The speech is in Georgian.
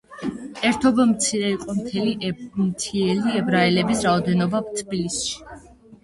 ერთობ მცირე იყო მთიელი ებრაელების რაოდენობა თბილისში.